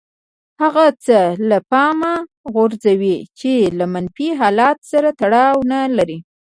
هغه څه له پامه غورځوي چې له منفي حالت سره تړاو نه لري.